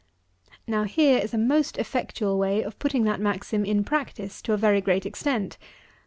Now here is a most effectual way of putting that maxim in practice to a very great extent.